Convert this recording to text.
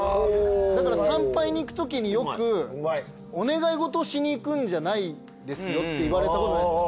だから参拝に行くときによくお願い事をしにいくんじゃないですよって言われたことないですか？